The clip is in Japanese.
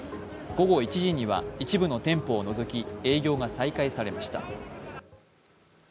午後１時には一部の店舗を除き営業が再開されました。